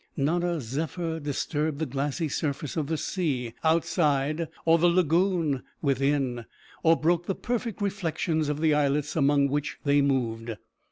Not a zephyr disturbed the glassy surface of the sea outside or the lagoon within, or broke the perfect reflections of the islets among which they moved.